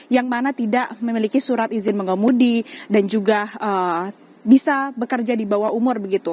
yang mana tidak memiliki surat izin mengemudi dan juga bisa bekerja di bawah umur begitu